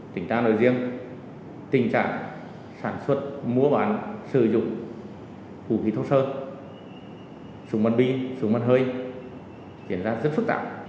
tỉnh ta nơi riêng tình trạng sản xuất mua bán sử dụng vũ khí thốt sơ súng bắn bi súng bắn hơi diễn ra rất phức tạp